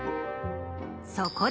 そこで